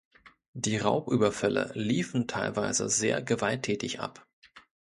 Die Raubüberfälle liefen teilweise sehr gewalttätig ab.